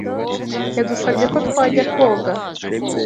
Yadusabye ko twajya koga.